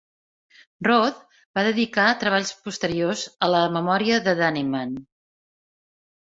Roth va dedicar treballs posteriors a la memòria de Dannemann.